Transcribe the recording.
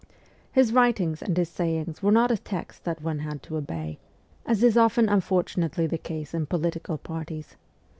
His writings and his sayings were not a text that one had to obey as is often unfortunately the case in political parties.